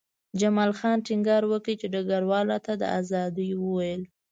جمال خان ټینګار وکړ چې ډګروال راته د ازادۍ وویل